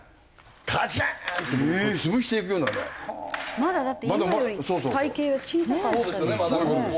まだだって今より体形は小さかったんですよね。